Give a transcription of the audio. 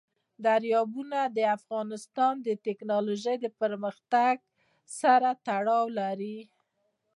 دریابونه د افغانستان د تکنالوژۍ پرمختګ سره تړاو لري.